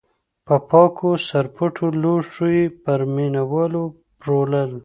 په پاکو سرپټو لوښیو یې پر مینه والو پلورل.